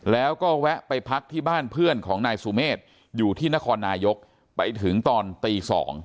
แล้วก็แวะไปพักที่บ้านเพื่อนของนายสุเมฆอยู่ที่นครนายกไปถึงตอนตี๒